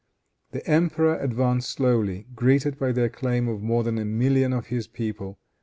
The emperor advanced slowly, greeted by the acclaim of more than a million of his people.